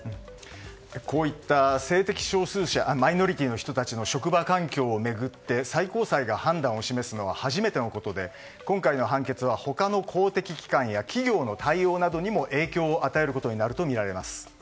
こういった性的少数者マイノリティーの人たちの職場環境を巡って最高裁が判断を示すのは初めてのことで今回の判決は他の公的機関や企業の対応などにも影響を与えることになるとみられます。